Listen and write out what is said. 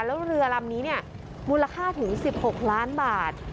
แล้วเรือลำนี้เนี่ยมูลค่าถึง๑๖ล้านบาท